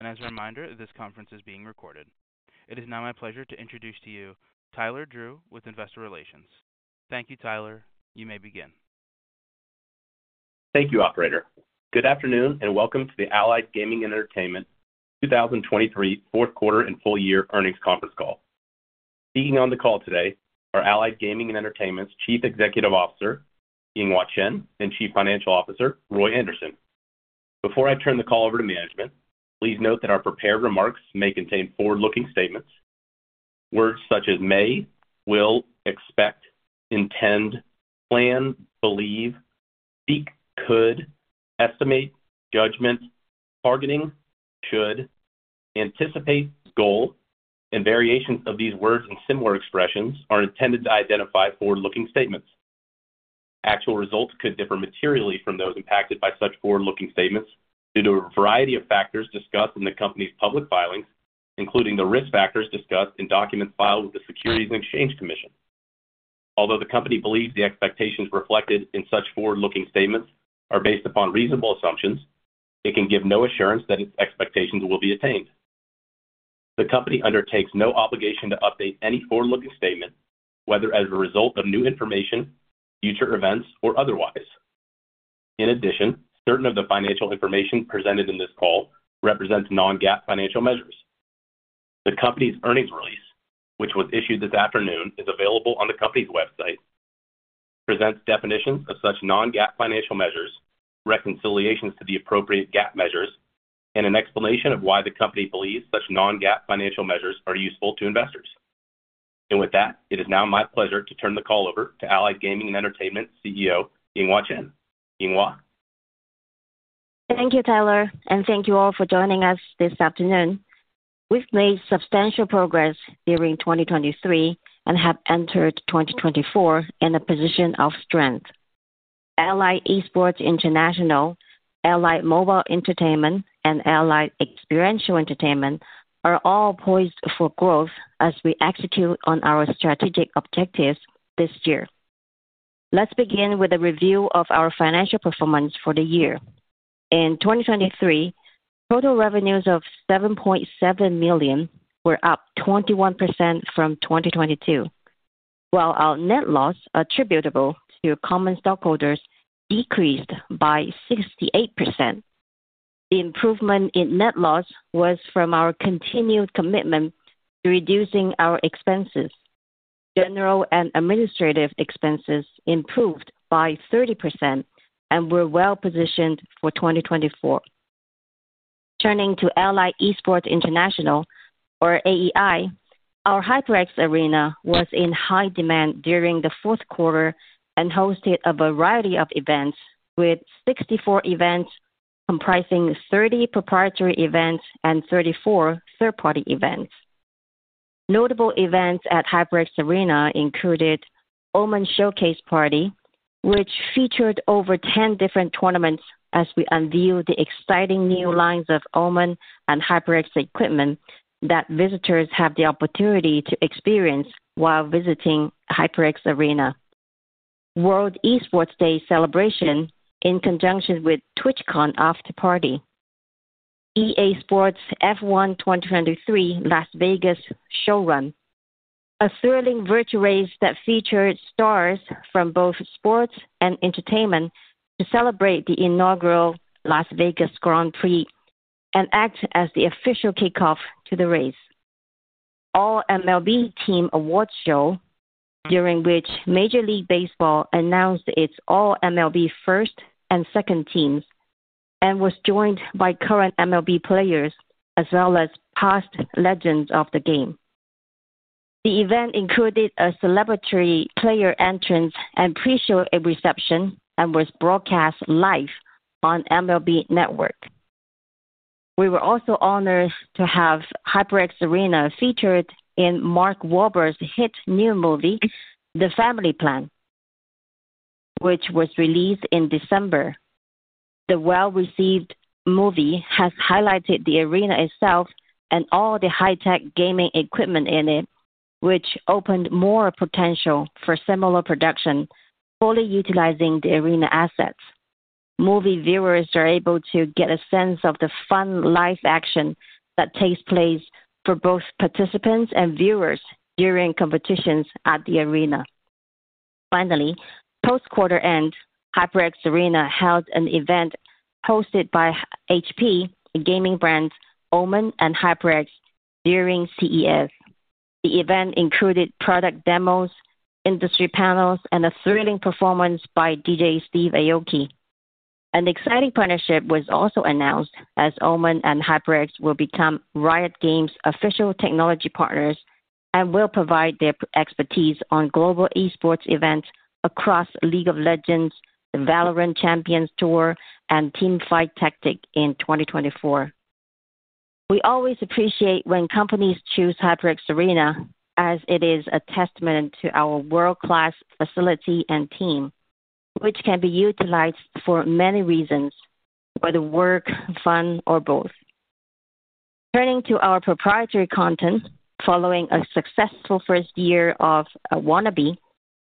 As a reminder, this conference is being recorded. It is now my pleasure to introduce to you Tyler Drew with Investor Relations. Thank you, Tyler. You may begin. Thank you, operator. Good afternoon, and welcome to the Allied Gaming & Entertainment 2023 Fourth Quarter and Full Year Earnings Conference Call. Speaking on the call today are Allied Gaming & Entertainment's Chief Executive Officer, Yinghua Chen, and Chief Financial Officer, Roy Anderson. Before I turn the call over to management, please note that our prepared remarks may contain forward-looking statements. Words such as may, will, expect, intend, plan, believe, seek, could, estimate, judgment, targeting, should, anticipate, goal, and variations of these words and similar expressions are intended to identify forward-looking statements. Actual results could differ materially from those impacted by such forward-looking statements due to a variety of factors discussed in the company's public filings, including the risk factors discussed in documents filed with the Securities and Exchange Commission. Although the company believes the expectations reflected in such forward-looking statements are based upon reasonable assumptions, it can give no assurance that its expectations will be attained. The company undertakes no obligation to update any forward-looking statement, whether as a result of new information, future events, or otherwise. In addition, certain of the financial information presented in this call represents non-GAAP financial measures. The company's earnings release, which was issued this afternoon, is available on the company's website, presents definitions of such non-GAAP financial measures, reconciliations to the appropriate GAAP measures, and an explanation of why the company believes such non-GAAP financial measures are useful to investors. With that, it is now my pleasure to turn the call over to Allied Gaming & Entertainment CEO, Yinghua Chen. Yinghua? Thank you, Tyler, and thank you all for joining us this afternoon. We've made substantial progress during 2023 and have entered 2024 in a position of strength. Allied Esports International, Allied Mobile Entertainment, and Allied Experiential Entertainment are all poised for growth as we execute on our strategic objectives this year. Let's begin with a review of our financial performance for the year. In 2023, total revenues of $7.7 million were up 21% from 2022, while our net loss attributable to common stockholders decreased by 68%. The improvement in net loss was from our continued commitment to reducing our expenses. General and administrative expenses improved by 30% and we're well-positioned for 2024. Turning to Allied Esports International, or AEI, our HyperX Arena was in high demand during the fourth quarter and hosted a variety of events, with 64 events, comprising 30 proprietary events and 34 third-party events. Notable events at HyperX Arena included OMEN Showcase Party, which featured over 10 different tournaments as we unveiled the exciting new lines of OMEN and HyperX equipment that visitors have the opportunity to experience while visiting HyperX Arena. World Esports Day celebration in conjunction with TwitchCon afterparty. EA Sports F1 2023 Las Vegas Showrun, a thrilling virtual race that featured stars from both sports and entertainment to celebrate the inaugural Las Vegas Grand Prix and act as the official kickoff to the race. All-MLB Team Awards show, during which Major League Baseball announced its All-MLB first and second teams, and was joined by current MLB players, as well as past legends of the game. The event included a celebratory player entrance and pre-show and reception, and was broadcast live on MLB Network. We were also honored to have HyperX Arena featured in Mark Wahlberg's hit new movie, The Family Plan, which was released in December. The well-received movie has highlighted the Arena itself and all the high-tech gaming equipment in it, which opened more potential for similar production, fully utilizing the Arena assets. Movie viewers are able to get a sense of the fun, live action that takes place for both participants and viewers during competitions at the Arena. Finally, post-quarter end, HyperX Arena held an event hosted by HP, a gaming brand, OMEN and HyperX, during CES. The event included product demos, industry panels, and a thrilling performance by DJ Steve Aoki. An exciting partnership was also announced as OMEN and HyperX will become Riot Games' official technology partners and will provide their expertise on global esports events across League of Legends, the VALORANT Champions Tour, and Teamfight Tactics in 2024. We always appreciate when companies choose HyperX Arena, as it is a testament to our world-class facility and team, which can be utilized for many reasons, whether work, fun, or both. Turning to our proprietary content, following a successful first year of WANNABE,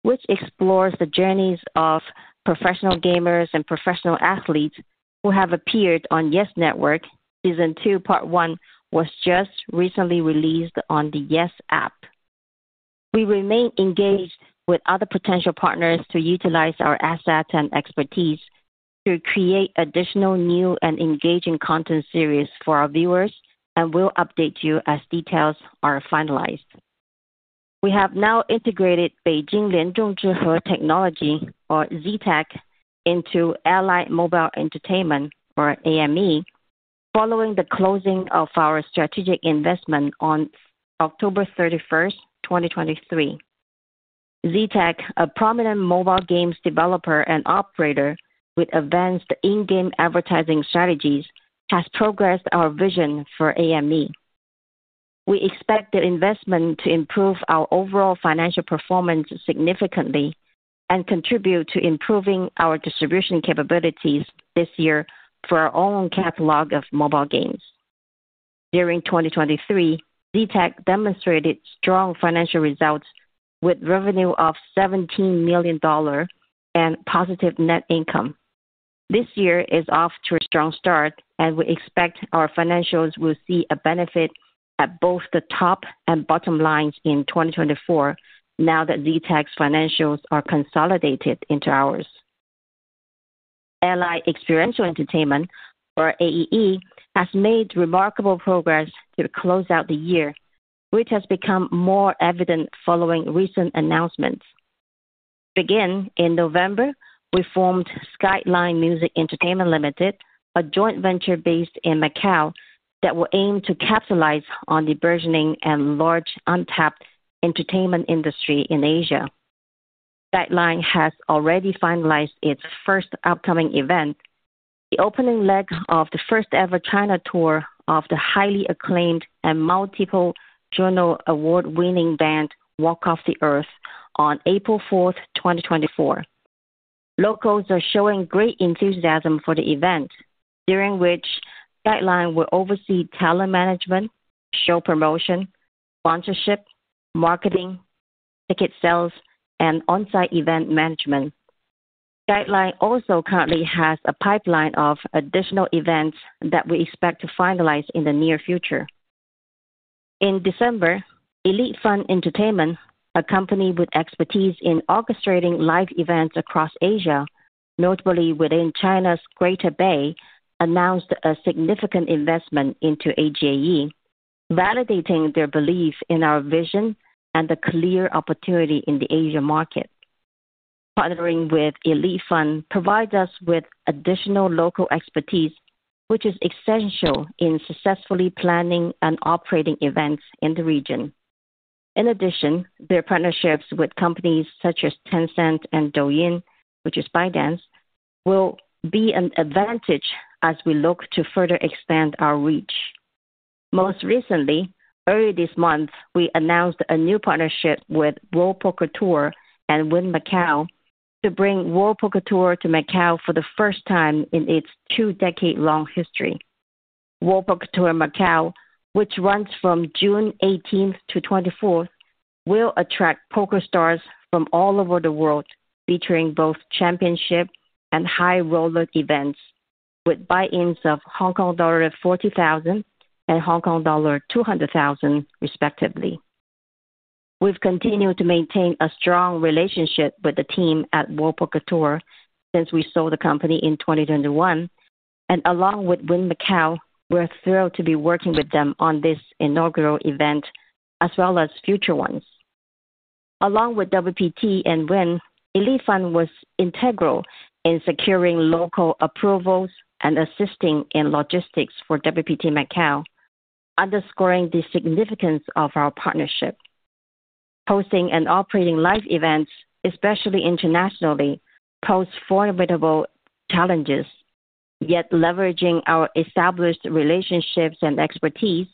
which explores the journeys of professional gamers and professional athletes who have appeared on YES Network. Season two, part one, was just recently released on the YES App. We remain engaged with other potential partners to utilize our assets and expertise to create additional new and engaging content series for our viewers, and we'll update you as details are finalized. We have now integrated Beijing Lianzhong Zhihe Technology, or ZTech, into Allied Mobile Entertainment, or AME, following the closing of our strategic investment on October 31st, 2023. ZTech, a prominent mobile games developer and operator with advanced in-game advertising strategies, has progressed our vision for AME. We expect the investment to improve our overall financial performance significantly and contribute to improving our distribution capabilities this year for our own catalog of mobile games. During 2023, ZTech demonstrated strong financial results with revenue of $17 million and positive net income. This year is off to a strong start, and we expect our financials will see a benefit at both the top and bottom lines in 2024 now that ZTech's financials are consolidated into ours. Allied Experiential Entertainment, or AEE, has made remarkable progress to close out the year, which has become more evident following recent announcements. Again, in November, we formed Skyline Music Entertainment Limited, a joint venture based in Macau, that will aim to capitalize on the burgeoning and large untapped entertainment industry in Asia. Skyline has already finalized its first upcoming event, the opening leg of the first-ever China tour of the highly acclaimed and multiple journal award-winning band, Walk Off the Earth, on April 4, 2024. Locals are showing great enthusiasm for the event, during which Skyline will oversee talent management, show promotion, sponsorship, marketing, ticket sales, and on-site event management. Skyline also currently has a pipeline of additional events that we expect to finalize in the near future. In December, Elite Fun Entertainment, a company with expertise in orchestrating live events across Asia, notably within China's Greater Bay, announced a significant investment into AGAE, validating their belief in our vision and the clear opportunity in the Asia market. Partnering with Elite Fun provides us with additional local expertise, which is essential in successfully planning and operating events in the region. In addition, their partnerships with companies such as Tencent and Douyin, which is ByteDance, will be an advantage as we look to further expand our reach. Most recently, early this month, we announced a new partnership with World Poker Tour and Wynn Macau to bring World Poker Tour to Macau for the first time in its two-decade-long history. World Poker Tour Macau, which runs from June 18th-June 24th, will attract poker stars from all over the world, featuring both championship and high roller events, with buy-ins of 40,000 Hong Kong dollar and Hong Kong dollar 200,000, respectively. We've continued to maintain a strong relationship with the team at World Poker Tour since we sold the company in 2021, and along with Wynn Macau, we're thrilled to be working with them on this inaugural event as well as future ones. Along with WPT and Wynn, Elite Fun was integral in securing local approvals and assisting in logistics for WPT Macau, underscoring the significance of our partnership. Hosting and operating live events, especially internationally, pose formidable challenges, yet leveraging our established relationships and expertise,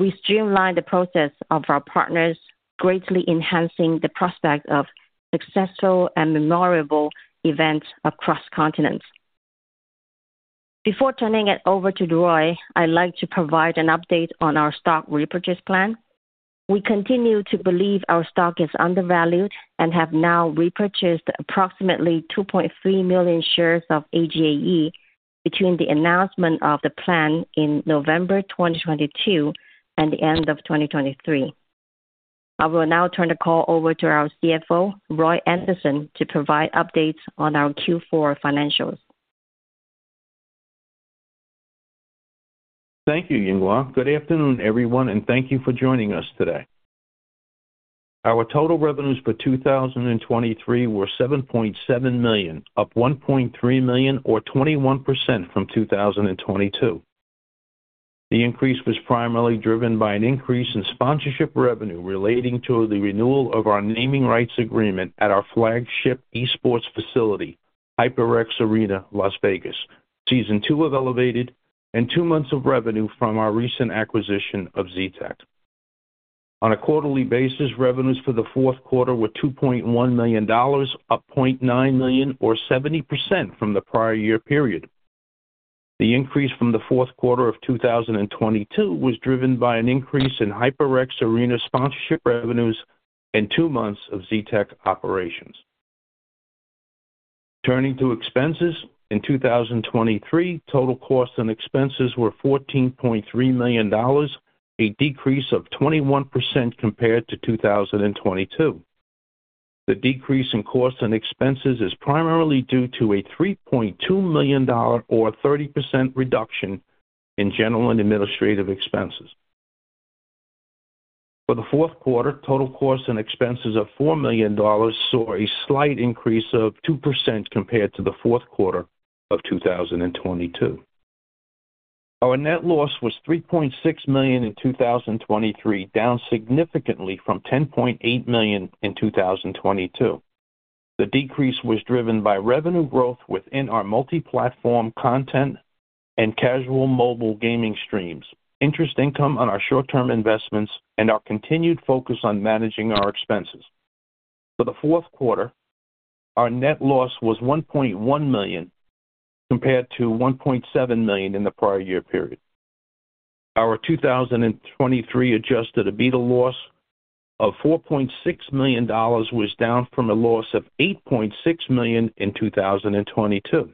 we streamline the process of our partners, greatly enhancing the prospect of successful and memorable events across continents. Before turning it over to Roy, I'd like to provide an update on our stock repurchase plan. We continue to believe our stock is undervalued and have now repurchased approximately 2.3 million shares of AGAE between the announcement of the plan in November 2022 and the end of 2023. I will now turn the call over to our CFO, Roy Anderson, to provide updates on our Q4 financials. Thank you, Yinghua. Good afternoon, everyone, and thank you for joining us today. Our total revenues for 2023 were $7.7 million, up $1.3 million, or 21% from 2022. The increase was primarily driven by an increase in sponsorship revenue relating to the renewal of our naming rights agreement at our flagship esports facility, HyperX Arena, Las Vegas, season two of ELEVATED, and two months of revenue from our recent acquisition of ZTech. On a quarterly basis, revenues for the fourth quarter were $2.1 million, up $0.9 million, or 70% from the prior year period. The increase from the fourth quarter of 2022 was driven by an increase in HyperX Arena sponsorship revenues and two months of ZTech operations. Turning to expenses, in 2023, total costs and expenses were $14.3 million, a decrease of 21% compared to 2022. The decrease in costs and expenses is primarily due to a $3.2 million, or a 30% reduction, in general and administrative expenses. For the fourth quarter, total costs and expenses of $4 million saw a slight increase of 2% compared to the fourth quarter of 2022. Our net loss was $3.6 million in 2023, down significantly from $10.8 million in 2022. The decrease was driven by revenue growth within our multi-platform content and casual mobile gaming streams, interest income on our short-term investments, and our continued focus on managing our expenses. For the fourth quarter, our net loss was $1.1 million, compared to $1.7 million in the prior year period. Our 2023 adjusted EBITDA loss of $4.6 million was down from a loss of $8.6 million in 2022.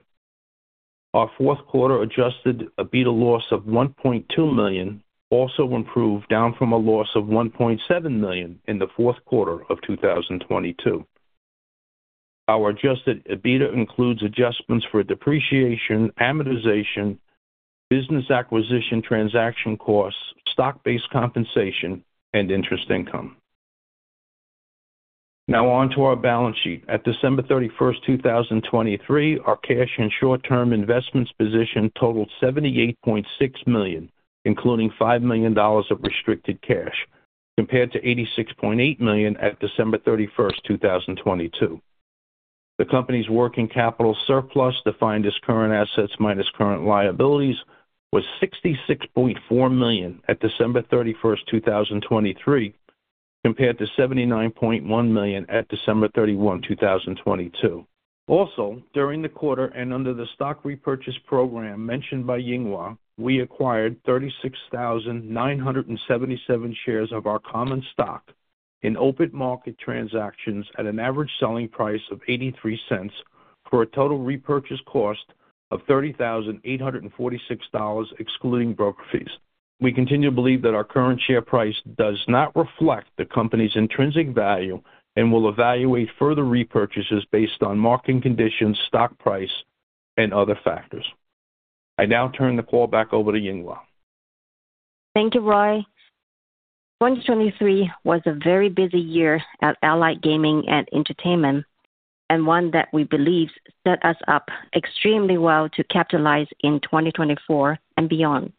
Our fourth quarter adjusted EBITDA loss of $1.2 million also improved, down from a loss of $1.7 million in the fourth quarter of 2022. Our adjusted EBITDA includes adjustments for depreciation, amortization, business acquisition, transaction costs, stock-based compensation, and interest income. Now on to our balance sheet. At December 31st, 2023, our cash and short-term investments position totaled $78.6 million, including $5 million of restricted cash, compared to $86.8 million at December 31st, 2022. The company's working capital surplus, defined as current assets minus current liabilities, was $66.4 million at December 31st, 2023, compared to $79.1 million at December 31, 2022. Also, during the quarter, and under the stock repurchase program mentioned by Yinghua, we acquired 36,977 shares of our common stock in open market transactions at an average selling price of $0.83, for a total repurchase cost of $30,846, excluding broker fees. We continue to believe that our current share price does not reflect the company's intrinsic value and will evaluate further repurchases based on market conditions, stock price, and other factors. I now turn the call back over to Yinghua. Thank you, Roy. 2023 was a very busy year at Allied Gaming & Entertainment, and one that we believe set us up extremely well to capitalize in 2024 and beyond.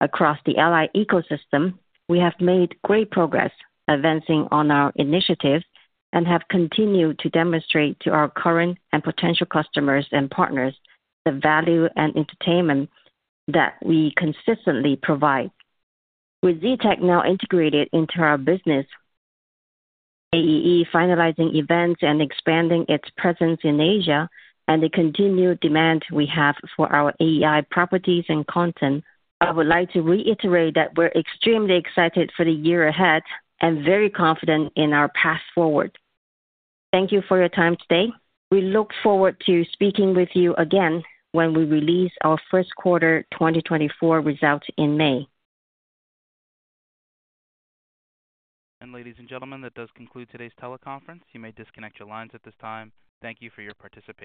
Across the Allied ecosystem, we have made great progress advancing on our initiatives and have continued to demonstrate to our current and potential customers and partners the value and entertainment that we consistently provide. With Ztech now integrated into our business, AEE finalizing events and expanding its presence in Asia, and the continued demand we have for our AEI properties and content, I would like to reiterate that we're extremely excited for the year ahead and very confident in our path forward. Thank you for your time today. We look forward to speaking with you again when we release our first quarter 2024 results in May. Ladies and gentlemen, that does conclude today's teleconference. You may disconnect your lines at this time. Thank you for your participation.